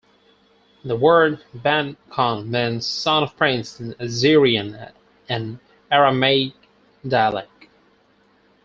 The word Ban-Kon means "son of prince" in Assyrian, an Aramaic dialect.